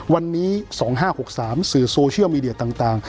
วันนี้๒๕๖๓สื่อโซเชียลมีเดียต่าง